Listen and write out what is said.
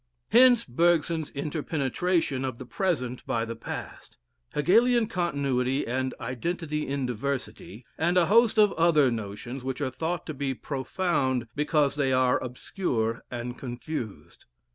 Hence Bergson's interpenetration of the present by the past, Hegelian continuity and identity in diversity, and a host of other notions which are thought to be profound because they are obscure and confused.